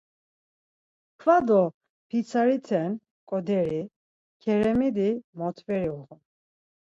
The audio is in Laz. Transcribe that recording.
Kva do p̌itsariten koderi, keremidi motveri uğun.